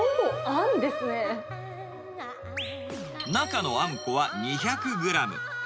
中のあんこは２００グラム。